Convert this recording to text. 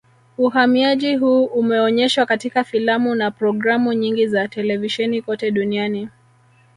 Uhamiaji huu umeonyeshwa katika filamu na programu nyingi za televisheni kote duniani